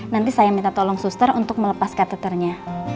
nanti saya minta tolong suster untuk melepas catheternya